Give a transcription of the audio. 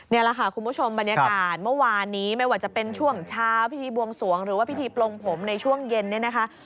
นี่แหละค่ะคุณผู้ชมบรรยากาศเมื่อวานนี้ไม่ว่าจะเป็นช่วงเช้าพิธีบวงสวงหรือว่าพิธีปลงผมในช่วงเย็นเนี่ยนะคะ